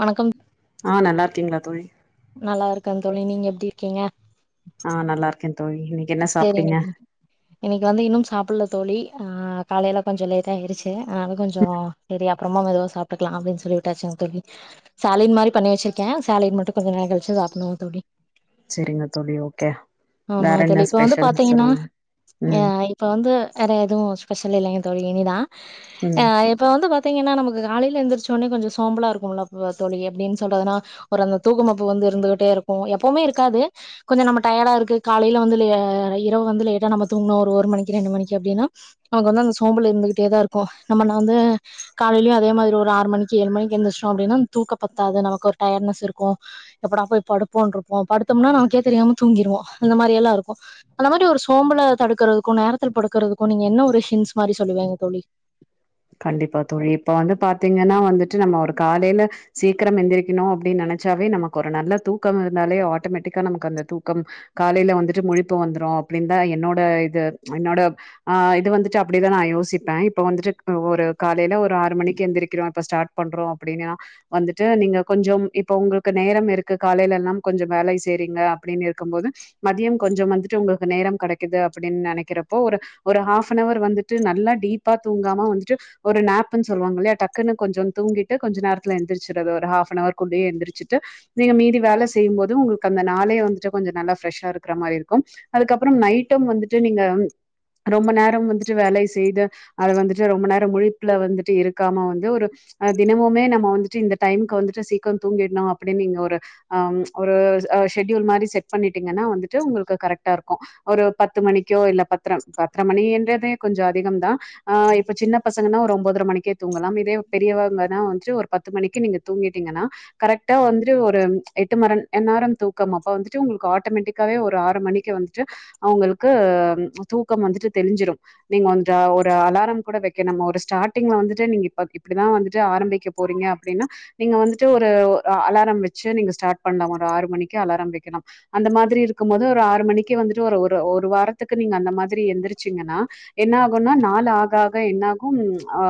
வணக்கம் ஆ நல்லா இருக்கீங்ளா தோழி நல்லா இருக்கே தோழி நீங்க எப்டி இருக்கீங்க ஆ நல்லா இருக்கே தோழி இன்னைக்கு என்ன சேரிங்க சாப்டீங்க இன்னைக்கு வந்து இன்னு சாப்படல தோழி ஆ காலைல கொஞ்ச லேட் ஆயிச்சு அதனாலே கொஞ்சோ சரி அப்புறமா மெதுவா சாப்ட்டுக்கலா அப்டின்னு சொல்லிட்டாச்சுங் தோழி சேலட் மாரி பண்ணி வெச்சிருக்கே சேலட் மட்டு கொஞ்ச நேரகழிச்சு சாப்படணுங் தோழி செரிங்க தோழி ஓகே ஆமா வேற அதல்ல என்ன இப்ப வந்து ஸ்பெஷல் பாத்தீங்கனா சொல்லுங்க ஏ ம் ஐ இப்ப வந்து நெறைய எதுவு ஸ்பெஷல் இல்லைங்க தோழி இனி தா ம் ஹ இப்ப வந்து பாத்தீங்கனா நமக்கு காலில எந்திரச்சோனே கொஞ்ச சோம்பலா இருக்கும்ல தோழி அப்டின்னு சொல்றதுனா ஒரு அந்த தூக்குமப்பு வந்து இருந்துகிட்டே இருக்கு எப்பவுமே இருக்காது கொஞ்ச நம்ம டயர்டா இருக்கு காலைல வந்து இரவு வந்து லேட்டா நம்ம தூங்கணு ஒரு மணிக்கு ரெண்டு மணிக்கு அப்டின்னா நமக் வந்து அந்த சோம்பல் இருந்துட்டே இருக்கு நம்ம நா வந்து காலைலயு அதே மாதிரி ஒரு ஆறு மணிக்கு ஏழு மணிக்கு எந்திச்ட்டோ அப்டின்னா தூக்க பத்தாது நமக்கு ஒரு டயர்னஸ் இருக்கு எப்படா போய் படுப்போனு இருப்போ படுத்தம்னா நமக்கே தெரியாம தூங்கிடுவோ இந்த மாரி எல்லா இருக்கு அந்த மாதிரி ஒரு சோம்பல தடுக்கறதுக்கு நேரத்தில படுக்கறதுக்கு நீங்க என்ன ஒரு ஹின்ஸ் மாரி சொல்லுவீங்க தோழி கண்டிப்பா தோழி இப்ப வந்து பாத்தீங்கன்னா வந்துட்டு நம்ம ஒரு காலையில சீக்கிரம் எந்திரிக்கோணு அப்படின்னு நினைச்சாவே நமக்கு ஒரு நல்ல தூக்கோருந்தாலே ஆட்டோ மெட்டிக்கா நமக்கு அந்த தூக்கம் காலையில வந்துட்டு முழிப்பு வந்துரு அப்படின்தா என்னோட இது என்னோட ஆ இது வந்துட்டு அப்படிதா நா யோசிப்பே இப்ப வந்துட்டு ஒரு காலையில ஒரு ஆறு மணிக்கி எந்திரிக்கிறோ இப்ப ஸ்டார்ட் பண்றோ அப்படின்னா வந்துட்டு நீங்க கொஞ்சோம் இப்ப உங்களுக்கு நேரமிருக்கு காலையிலெல்லா கொஞ்சே வேலை செய்றிங்க அப்படின்னு இருக்கும் போது மதியம் கொஞ்சம் வந்துட்டு உங்களுக்கு நேரம் கடைக்கிது அப்படின் நெனைக்கிறப்போ ஒரு ஒரு ஹாப் அன்னவர் வந்துட்டு நல்லா டீப்பா தூங்காம வந்து ட்டு ஒரு நப்புன் சொல்வாங்கில்லையா டக்குனு கொஞ்சோ தூங்கிட்டு கொஞ்ச நேரத்துல எழுந்துச்சறது ஒரு ஹாப்னவர் குள்ளயே எழுந்திருச்சிட்டு நீங்க மீதி வே செய்யும் போது உங்களுக்கு அந்த நாளையே வந்துட்டு கொஞ்சோ நல்லா ஃப்ரெஷ்ஷா இருக்கற மாரி இருக்கு அதுக்கப்புறோ நைட்டு வந்துட்டு நீங்க ரொம்ப நேரம் வந்துட்டு வேலை செய்து அதது வந்துட்டு ரொம்ப நேர் ட முழிப்புல வந்துட்டு இருக்காம வந்து ஒரு அ தினமுமே நம்ம வந்துட்டு இந்த டைமுக்கு வந்துட்டு சீக்கிரோ தூங்கிர்ணு அப்படின்னு நீங்க ஒரு ஆ ம் ஒரு அ ஷெடியூல் மாரி செட் பண்ணிட்டீங்கன்னா வந்துட்டு உங்களுக்கு கரெக்ட்டாருக்கு ஒரு பத்து மணிக்கோ இல்ல பத்தரம் பத்துர மணி என்றதே கொஞ்சோ அதிகம் தா ஆ இப்ப சின்ன பசங்கன்னா ஒரு ஒன்பதரை மணிக்கே தூங்கலாப் இதே பெரியவங்கன்னா வந்துட்டு ஒரு பத்து மணிக்கி நீங்க தூங்கிட்டீங்கன்னா கரெக்டா வந்துட்டு ஒரு எட்டு மரம் நேரம் தூக்கப் அப்ப வந்துட்டு உங்களுக்கு ஆட்டோமேட்டிக் காவே ஒரு ஆறு மணிக்கி வந்துட்டு அவங்களுக்கு தூக்கம் வந்துட்டு தெளிஞ்சிரு நீங்க வந்ட்டு ஒரு அலாரம் கூட வெக் க்கே நம்ம ஒரு ஸ்டார்டிங்ல வந்துட்டு நீங்க இப்ப இப்படிதா வந்துட்டு ஆரம்பிக்க போறீங்க அப்படின்னா நீங்க வந்துட்டு ஒரு அலாரோ வச்சு நீங்க ஸ்டார்ட் பண்ணலா ஒரு ஆறு மணிக்கி அலாரம் வைக்கலாம் அந்த மாதிரி இருக்கும் போது ஒரு ஆறு மணிக்கே வந்துட்டு ஒரு ஒரு ஒரு வாரத்துக்கு நீங்க அந்த மாதிரி எந்திரிச்சிங்கன்னா என்னாகுன்னா நாலு ஆக ஆக என்னாகும் ஆ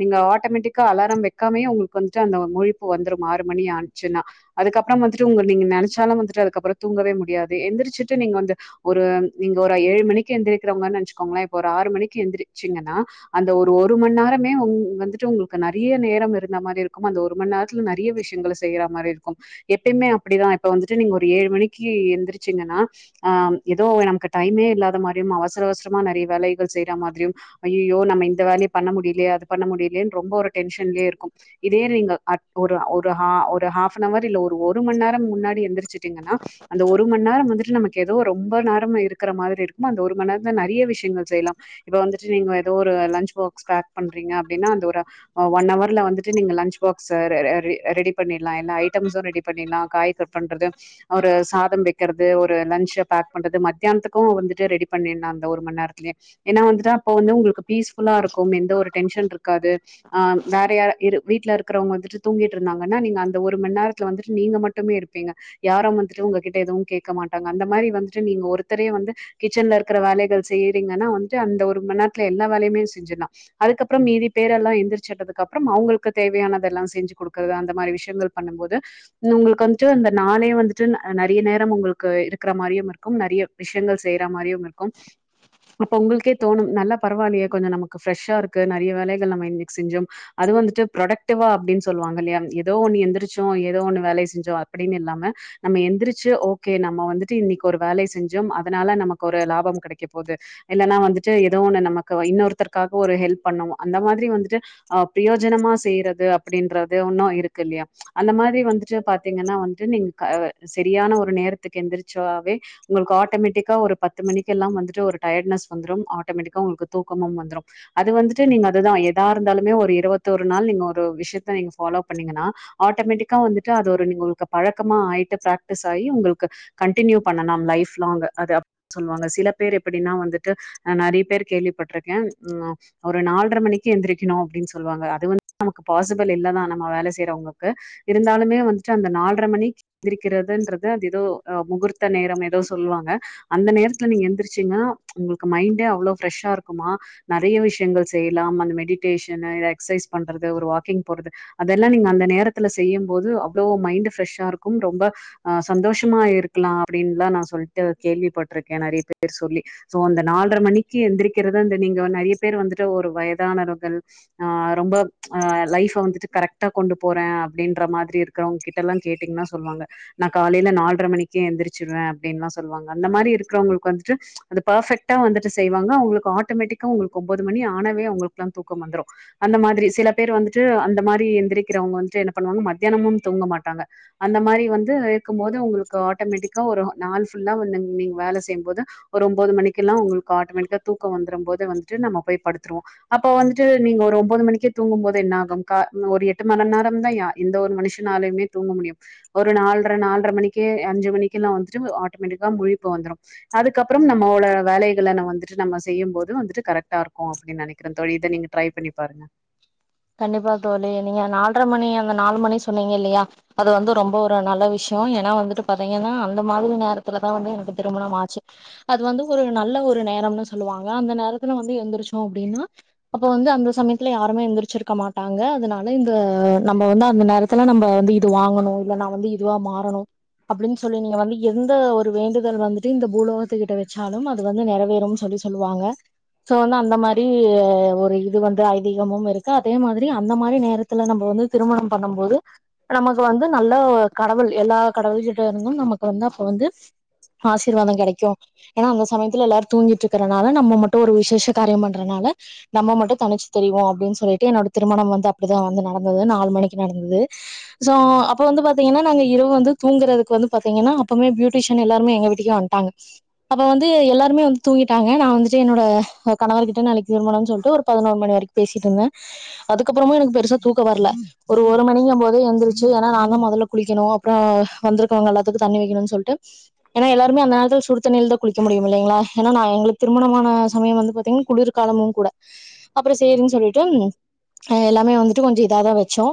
நீங்க ஆட்டோமேட்டிக்கா அலாரம் வெக்காமையு உங்களுக்கு வந்துட்டு அந்த முழிப்பு வந்துரு ஆறு மணி ஆனுச்சுன்னா அதுக்கப்புறம் வந்துட்டு உங்க நீங்க நெனைச்சாலு வந்துட்டு அதுக்கப்புறோ தூங்கவே முடியாது எந்திரச்சிட்டு நீங்க வந்து ஒரு நீங்க ஒரு ஏழு மணிக்கி எழுந்திரிக்கிறவங்கன்னு வச்சுக்கோங்களே இப்ப ஒரு ஆறு மணிக்கி எழுந்திரிச்சீங்கன்னா அந்த ஒரு ஒரு மணி நேரமே உங் வந்துட்டு உங்களுக்கு நறைய நேரம் இருந்தா மாரி இருக்கும் அந்த ஒரு மண் நேர் த்ல நறைய விஷ்யங்கள செய்யற மாரி இருக்கு எப்பயுமே அப்படிதா இப்ப வந்துட்டு நீங்க ஒரு ஏழு மணிக்கி எந்திரிச்சிங்கன்னா ஆ ஏதோ நமக்கு டைமே இல்லாத மாதிரியு அவசர அவசரமா நிறைய வேலைகள் செய்யற மாதிரியு அய்யயோ நம்ம இந்த வேலையே பண்ண முடியலையே அது பண்ண முடியலேன்னு ரொம்ப ஒரு டென்ஷன்லயே இருக்கு இதே நீங்க அட் ஒரு ஒரு ஹா ஒரு ஹாஃப்னவர் இல்ல ஒரு மணி நேரம் முன்னாடி எந்திரச்சு ங்கன்னா அந்த ஒரு மணி நேரம் வந்துட்டு நமக்கு ஏதோ ரொம்ப நேரம் இருக்கற மாரி இருக்குமா அந்த ஒரு நேரோதா நெறைய விஷ்யங்கள் செய்யலா இப்ப வந்துட்டு நீங் அப்றோ லன்ச் பாக்ஸ் பேக் பண்றீங்க அப்டின்னா அந்த ஒரு அ ஒன்னவர்ல வந்துட்டு நீங்க லன்ச் பாக்ஸ் ரெ ரெ ரெடி பண்ணிட்லா எல்லா ஐட்டம்ஸும் ரெடி பண்ணில்லா காய் கட் பண்றது ஒரு சாதம் வெக்கிறது ஒரு லன்ச் பேக் பண்றது மத்தியானத்துக்கு வந்துட்டு ரெடி பண்ணிர்லா அந்த ஒரு மணி நேரத்துலயே ஏன்னா வந்துட்டா அப்ப வந்து உங்களுக்கு பீஸ்ஃபுல்லாருக்கும் எந்த ஒரு டென்ஷன்ருக்காது ஆ வேற யார் இரு வீட்ல இருக்குறவங்க வந்துட்டு தூங்கிட்டுருந்தாங்கன்னா நீங்க அந்த ஒரு மணி நேரத்துல வந்துட்டு நீங்க மட் மட்டுமே இருப்பீங்க யாரும் வந்துட்டு உங்ககிட்ட எதுவு கேட்க மாட்டாங்க அந்த மாரி வந்துட்டு நீங்க ஒருத்தரே வந்து கிச்சன்ல இருக்கற வேலைகள் செய்யறீங்கன்னா வந்துட்டு அந்த ஒரு மணி நேரத்துல எல்லா வேலையுமே செஞ்சிர்லா அதுக்கப்புறம் மீதி பேரெல்லா எந்திரச்சுறதுக்கு அப்றம் அவங்களுக்கு தேவையானதெல்லா செஞ்சு குடுக்குறது அந்த மாரி விஷ்யங்கள் பண்ணும் போது உங்களுக்கு வந்துட்டு இந்த நானே வந்துட்டு ந நெறைய நேரம் உங்களுக்கு இருக்கற மாரியும் இருக்கும் நெறைய விஷயங்கள் செய்யற மாரியும் இருக்கும் அப்பா உங்களுக்கே தோணும் நல்லா பரவால்லயே கொஞ்சோ நமக்கு ஃப்ரெஷ்ஷா இருக்கு நறைய வேலைகள் நம்ம இன்னைக்கு செஞ்சோம் அது வந்துட்டு ப்ரொடக்டிவா அப்டின்னு சொல்லுவாங்க இல்லையா ஏதோ ஒண்ணு எந்திரிச்சோ ஏதோ ஒண்ணு வேலைய செஞ்சோலை அப்டின்னு இல்லாம நம்ம எந்திரிச்சு ஓகே நம்ம வந்துட்டு இன்னைக்கு ஒரு வேலைய செஞ்சோம் அதனால நமக்கு ஒரு லாபம் கெடைக்க போகுது இல்லன்னா வந்துட்டு ஏதோ ஒண்ணு நமக்கு இன்னொருத்தருக்காக ஒரு ஹெல்ப் பண்ணோ அந்த மாதிரி வந்துட்டு ஆ பிரயோஜனமா செய்றது அப்டின்றது இன்னு இருக்கு இல்லயா அந்த மாரி வந்துட்டு பாத்தீங்கன்னா வந்துட்டு நீங்க கா சரியான ஒரு நேரத்துக்கு எந்திரிச்சாவே உங்களுக்கு ஆட்டோமேட்டிக்கா ஒரு பத்து மணிக்கெல்லா வந்துட்டு ஒரு டயர்ட்னஷ் வந்துரும் ஆட்டோமேட்டிக்கா உங்களுக்கு தூக்கமும் வந்துரு அது வந்துட்டு நீங்க அதுதா எதா இருந்தாலுமே ஒரு இருவத்தோரு நாள் நீங்க ஒரு விஷயத்த நீங்க ஃபாலோ பண்ணீங்கன்னா ஆட்டோமேட்டிக்கா வந்துட்டு அது ஒரு நீங்க உங்களுக்கு பழக்கமா ஆய்ட்டு பிரக்டிஸ் ஆயி உங்களுக்கு கண்டினியூ பண்ணலாம் லைஃப் லாங்க் அத சொல்லுவாங்க சில பேர் எப்படின்னா வந்துட்டு நா நெறைய பேர் கேள்விப்பட்ருக்க ஆ ஒரு நால்ற மணிக்கு எந்திரிக்கணு அப்டின் சொல்வாங்க அது வந்து நமக்கு பாசிபிள் இல்லதா நம்ம வேல செய்றவங்களுக்கு இருந்தாலுமே வந்துட்டு அந்த நால்ற மணிக் எந்திருக்கிறதுன்றது அது ஏதோ அ முகூர்த்த நேரம் ஏதோ சொல்லுவாங்க அந்த நேரத்துல நீங்க எந்திரிச்சீங்னா உங்களுக்கு மைண்டே அவ்ளோ ஃப்ரெஷ்ஷாருக் க்குமா நெறைய விஷயங்கள் செய்யலாம் அந்த மெடிடேஷன் எக்சைஸ் பண்றது ஒரு வாக்கிங் போறது அதெல்லா நீங்க அந்த நேரத்துல செய்யும் போது அவ்ளோ மைண்ட் ஃப்ரெஷ்ஷாருக்கும் ரொம்ப ஆ சந்தோஷமா இருக்கலா அப்டின்லா நா சொல்ட்டு கேள்விப்பட்ருக்க நெறைய பேர் சொல்லி சோ அந்த நால்ற மணிக்கி எந்திரிக்கிறது அந்த நீங்க நெறைய பேர் வந்துட்டு ஒரு வயதானவர்கள் ஆ ரொம்ப அ லைஃப வந்துட்டு கரெக்டா கொண்டு போற அப்டின்ற மாதிரி இருக்கிறவங்க கிட்டல்லா கேட்டீங்கன்னா சொல்லுவாங்க நா காலைல நால்ற மணிக்கே எந்திரிச்சிருவ அப்டின்ல்லா சொல்வாங்க அந்த மாரி இருக்கறவங்களுக்கு வந்துட்டு அந்த பர்ஃபெக்டா வந்துட்டு செய்வாங்க அவங்களுக்கு ஆட்டோமேட்டிக்கா அவங்களுக்கு ஒம்பது மணி ஆனாவே அவங்களுக்குக்கெல்லா தூக்கம் வந்துரு அந்த மாதிரி சில பேர் வந்துட்டு அந்த மாரி எந்திரிக்கிறவங்க வந்துட்டு என்ன பண்ணுவாங்க மத்தியானமும் தூங்க மாட்டாங்க அந்த மாரி வந்து இருக்கு போது உங்களுக்கு ஆட்டோமேட்டிக்கா ஒரு நாள் ஃபுல்லா வந்து நீங்க வேல செய்யும்போது ஒரு ஒம்போது மணிக்கெல்லா உங்களுக்கு ஆட்டோமேட்டிக்கா தூக்கோ வந்துரும்போதே வந்துட்டு நம்ம போய் படுத்துருவோ அப்ப வந்துட்டு நீங்க ஒரு ஒம்போது மணிக்கே தூங்கும்போது என்ன ஆகுங்கா ஒரு எட்டு மணி நேரம்தா யா எந்த ஒரு மனுஷனாலய்மே தூங்க முடியு ஒரு நால்ட்‌ற நால்ட்ற மணிக்கே அஞ்சு மணிக்கல்லா வந்துட்டு ஆட்டோமேட்டிக்கா முழிப்பு வந்துரு அதுக்கப்புறம் நம்மளோட வேலைகள ந வந்து ட்டு நம்ம செய்யும் போது வந்துட்டு கரெக்டா இருக்கு அப்டின்னு நெனக்கிற தோழி இத நீங்க ட்ரை பண்ணி பாருங்க கண்டிப்பா தோழி நீங்க நால்ட்ரை மணி அந்த நாலு மணி சொன்னீங்க இல்லையா அது வந்து ரொம்ப ஒரு நல்ல விஷயோ ஏன்னா வந்துட்டு பாத்தீங்கன்னா அந்த மாதிரி நேரத்துலதா வந்து எனக்கு திருமணம் ஆச்சு அது வந்து ஒரு நல்ல ஒரு நேரம்னு சொல்லுவாங்க அந்த நேரத்துல வந்து எந்திரிச்சோ அப்டின்னா அப்போ வந்து அந்த சமயத்துல யாருமே எந்திரிச்சிருக் க்க மாட்டாங்க அதனால இந்த நம்ம வந்து அந்த நேரத்துல நம்ம வந்து இது வாங்கணு இல்ல நா வந்து இதுவா மாறணு அப்டின்னு சொல்லி நீங்க வந்து எந்த ஒரு வேண்டுதல் வந்துட்டு இந்த பூலோகத்து கிட்ட வச்சாலும் அது வந்து நெறைவேறும்னு சொல்லி சொ சொல்லுவாங்க சோ வந்து மாரி ஒரு இது வந்து ஐதீகமு இருக் க்கு அதே மாதிரி அந்த மாரி நேரத்துல நம்ம வந்து திருமணம் பண்ணும் போது நமக்கு வந்து நல்ல கடவுள் எல்லா கடவுள்கிட்ட இருந்தும் நமக்கு வந்து அப்ப வந்து ஆசிர்வாதோ கெடைக்கு ஏன்னா அந்த சமயத்துல எல்லாரு தூங்கிட்டு இருக்கறனால நம்ம மட்டு ஒரு விசேஷ காரியோ பண்றனால நம்ம மட்டு தனிச்சு தெரிவோ அப்டின்னு சொல்லி ட்டு என்னோட திருமணம் வந்து அப்டிதா வந்து நடந்தது நாலு மணிக்கு நடந்தது சோ அப்ப வந்து பாத்தீங்கன்னா நாங்க இரவு வந்து தூங்குறக்கு வந்து பாத்தீங்கன்னா அப்பமே பியூட்டிஷ ன் எல்லாருமே எங்க வீட்டுக்கே வன்ட்டாங்க அப்ப வந்து எல்லாருமே வந்து தூங்கிட்டாங்க நா வந்துட்டு என்னோட கணவர் கிட்ட நாளைக்கு திருமணோ சொல்லிட்டு ஒரு பதினோரு மணி வர பேசிட்டு இருந்தே அதுக்கப்புறமு எனக்கு பெருசா தூக்க வரல ஒரு ஒரு மணிக்குங்போதே எந்துருச்சு ஏன்னா நா தா மொதல்ல குளிக்கணு அப்புறோ வந்திருக்கவங்க எல்லாத்துக்கு தண்ணி வைக்கணும்னு சொல்லிட்டு ஏன்னா எல்லாருமே அந்த நேரத்துல சு சுடுத்தண்ணியில தா குளிக்க முடியு இல்லைங்களா ஏன்னா நா எங்களுக்கு திருமணமான சமய வந்து பாத்தீன் குளுரு காலமு கூட அப்புறோ சரின்னு சொல்லிட்டு எல்லாமே வந்துட்டு கொஞ்சோ இதாதா வச்சோ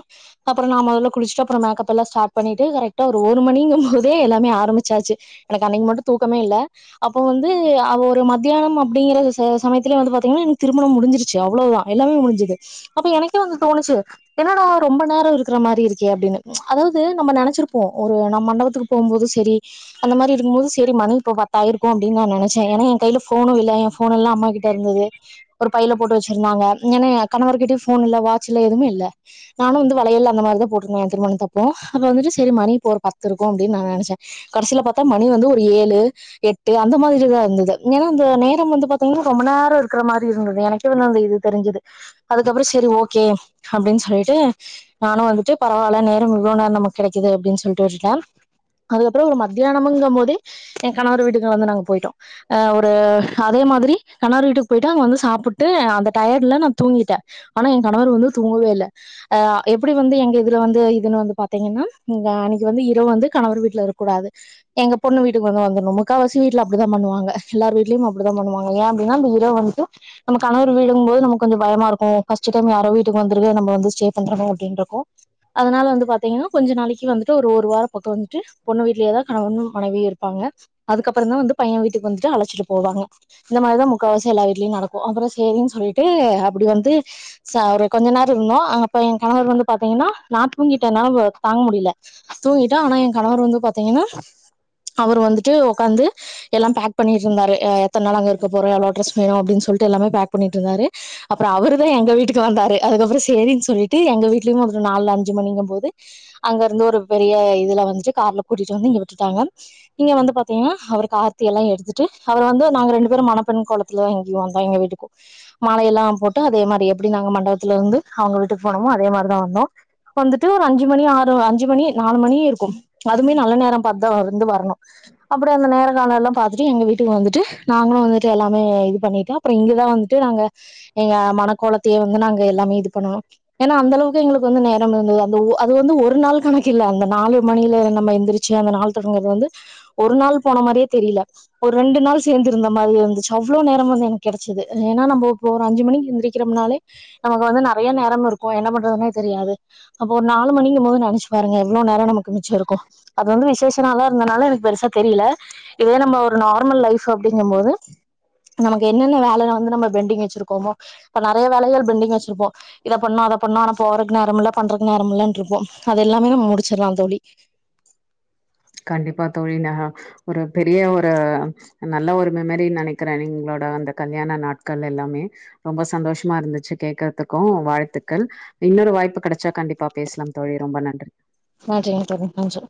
அப்புறோ நா மொதல்ல குளிச்ட்டு அப்புறோ மேக்கப் எல்லா ஸ்டார்ட் பண்ணிட்டு கரெக்டா ஒரு ஒரு மணிங்கும்போதே எல்லாமே ஆரம்பிச்சாச்சு எனக்கு அன்னைக்கு மட்டு தூக்கமே இல்ல அப்போ வந்து அவ ஒரு மத்தியானம் அப்டிங்குற ச சமயத்துல வந்து பாத்தீங்கன்னா எனக்கு திருமணம் முடிஞ்சிருச்சு அவ்ளோதா எல்லாமே முடி சிது அப்ப எனக் கே ஒன்னு தோணுச்சு என்னடா ரொம்ப நேரோ இருக்குற மாரி இருக்கே அப்டின்னு அதாவது நம்ம நெனச்சிருப்போ ஒரு நம்ம மண்டபத்துக்கு போம் போது சரி அந்த மாரி இருக்கும் போது சரி மணி இப்ப பத்தாயிருக்கு அப்டின் நா நெனச்சே ஏனா எ கைல ஃபோனு இல்ல எ ஃபோனெல்லா அம்மா கிட்ட இருந்தது ஒரு பையில போட்டு வச்சிருந்தாங்க ஏன்னா கணவர் கிட்ட ஃபோன் இல்ல வாட்ச் இல்ல எதுமே இல்ல நானு வந்து வளையல் அந்த மாரிதா போட்டுருந்தே திருமண தப்போ அப்ப வந்துட்டு சரி மணி இப்போ ஒரு பத்து இருக்கு அப்டின்னு நெனச்சே கடைசில பாத்தா மணி வந்து ஒரு ஏழு எட்டு அந்த மாதிரிதா இருந்தது ஏன்னா அந்த நேரம் வந்து பாத்தீங்கன்னா ரொம்ப நேரோ இருக்குற மாரி இருந்தது எனக்கு [unintelligible] மாரி தெரிஞ்சுது அதுக்கப்புறோ சரி ஓகே அப்டின்னு சொல்லிட்டு நானு வந்துட்டு பரவாயில்ல நேரோ இவ்ளோ நேரோ நம்ம கெடைக்குது அப்டின்னு சொல்லிட்டு விட்டுட்டே அதுக்கப்புறோ ஒரு மத்தியானமுங்கும் போதே எ கணவர் வீட்டுகு வந்து நாங்க போயிட்டோ அ ஒரு அதே மாதிரி கணவர் வீட்டுக்கு போயிட்டு அங்க வந்து சாப்புட்டு அந்த டயர்ட்ல நா தூங்கிட்டே ஆனா என் கணவர் வந்து தூங்கவே இல்ல அ எப்டி வந்து எங்க இதுல வந்து இதுன்னு வந்து பாத்தீங்கன்னா அன்னைக்கு வந்து இரவு வந்து கணவர் வீட்டுல இருக்கக்கூடாது எங்க பொண்ணு வீட்டுக்கு வந்து வந்துற்னு முக்கா வாசி வீட்டுல அப்டிதா பண்ணுவாங்க எல்லார் வீ்ட்லயு அப் டிதா பண்ணுவாங்க ஏ அப்டினா இந்த இரவு வந்துட்டு நம்ம கணவர் வீடுங்குபோது நமக்கு கொஞ்சோ பயமா இருக் ஃபஸ்ட் டைம் யாரோ வீட்டுக்கு வந்துரு நம்ம வந்து ஸ்டே பண்றோ அப்டின்றப்போ அதனால வந்து பாத்தீங்கன்னா கொஞ்ச நாளைக்கு வந்துட்டு ஒரு ஒரு வார பக்கோ வந்துட்டு பொண்ணு வீட்டுலயேதா கணவன்னு மனைவியு இருப்பாங்க அதுக்கப்புறோ தா வந்து பைய வீட்டுக்கு வந்துட்டு அழச்சிட்டு போவாங்க இந்த மாரிதா முக்கால்வாசி எல்லா வீட்லயு நடக்கு அப்புறோ செரின்னு சொல்லிட்டு அப்டி வந்து ச ஒரு கொஞ்ச நேரோ இருந்தோ அப்ப எ கணவர் வந்து பாத்தீங்கன்னா நா தூங்கிட்ட என்னால தாங்க முடில தூங்கிட்ட ஆனா எ கணவர் வந்து பாத்தீங்கன்னா அவர் வந்துட்டு ஒக்காந்து எல்லா பேக் பண்ணிட்டு இருந்தாரு அ எத்த நாள் அங்க இருக்க போறோ எவ்ளோ ட்ரெஸ் வேணு அப்டின்னு சொல்ட்டு எல்லாமே பேக் பண்ணிட்டு இருந்தாரு அப்றோ அவரு தா எங்க வீட்டுக்கு வந்தாரு அதுக்கப்புற செரின்னு சொல்லிட்டு எங்க வீட்டுலயு வ நாலு அஞ்சு மணிங்கம்போது அங்க இருந்து ஒரு பெரிய இதுல வந்துட்டு கார்ல கூட்டிட்டு வந்து இங்க விட்டுட்டாங்க இங்க வந்து பாத்தீங்கன்னா அவருக்கு ஆர்த்தி எல்லா எடுத்துட்டு அவர வந்து நாங்க ரெண்டு பேரும் மனப்பெண் கோலத் துல இங்கயு வந்தோ எங்க வீட்டுக்கு மாலை எல்லா போட்டு அதே மாரி எப்டி நாங்க மண்டபத்துல இருந்து அவுங்க வீட்டுக்கு போனமோ அதே மாரிதா வந்தோ வந்துட்டு ஒரு அஞ்சு மணி ஆறு அஞ்சு மணி நாலு மணி இருக்கு அதுமே நல்ல நேரம் பாத்தா வர்ந்து வர்ணு அப்புடே அந்த நேர கால எல்லா பாத்துட்டு எங்க வீட்டுக்கு வந்துட்டு நாங்ளு வந்துட் து எல்லாமே இது பண்ணிட்டு அப்ற இங்கதா வந்துட்டு நாங்க எங்க மனக்கோலத்தயே வந்து நாங்க எல்லாமே இது பண்ணுனு ஏன்னா அந்த அளவுக்கு எங்ளுக்கு வந்து நேரம் இருந்துது அந்த உவ அது வந்து ஒரு நாள் கணக்கில்ல அந்த நாலு மணில நம்ம எந்துருச்சு அந்த நாள் தொடங்கற்து வந்து ஒரு நாள் போன மாரியே தெரில ஒரு ரெண்டு நாள் சேந்திருந்த மாரி இர்ந்துச்சு அவ்ளோ நேரம் வந்து எனக் கெடச்சிது ஏன்னா நம்போ இப்போ ஒரு அஞ்சு மணிக் எந்துரிக்கிறம்ணாளே நமக் வந்து நறைய நேரம் இருக்கு என்ன பண்றதுனே தெரியாது அப்ப ஒரு நாலு மணிங்கிம்போது நெனைச்சு பாருங்க எவ்ளோ நேர நமக்கு மிச்ச இருக்கு அது வந்து விசேஷ நாளா இருந்தால எனக்கு பெருசா தெரியல இதே நம்ம ஒரு நார்மல் லைஃப் அப்டிங்கம்போது நமக்கு என்னென்ன வேலையன வந்து நம்ம பெண்டிங் வச்சிருக்கோமோ இப்ப நறைய வேலைகள் பெண்டிங் வச்சிருப்போ இதை பண்ணோ அதை பண்ணோ ஆனா போறக்கு நேரம் இல்ல பண்றக்கு நேரம் இல்லாம இருப்போ அது எல்லாமே நம்ம முடிச்சிட்லா தோழி கண்டிப்பா தோழி நா ஒரு பெரிய ஒரு நல்ல ஒரு மெமரின் நெனக்கிற நீங்களோட அந்த கல்யாண நாட்கள் எல்லாமே ரொம்ப சந்தோஷமா இர்ந்துச்சு கேக்குறதுக்கு வாழ்த்துக்கள் இன்னொரு வாய்ப்பு கடச்சா கண்டிப்பா பேஸ்லா தோழி ரொம்ப நன்றி நன்றிங் தோழி நன்றி